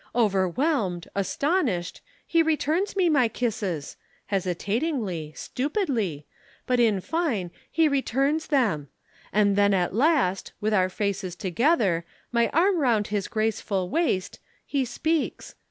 Overwhelmed, astonished, he returns me my kisses hesitatingly, stupidly, but in fine, he returns them And then at last with our faces together, my arm round his graceful waist he speaks.